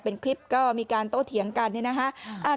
เป็นคลิปก็มีการโต้เถียงกันเนี่ยนะคะ